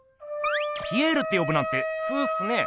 ピエールってよぶなんてツウっすね。